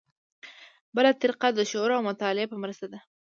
بله طریقه د شعور او مطالعې په مرسته ده.